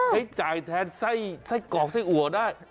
ให้จ่ายแทนไส้กรอกไส้อัวได้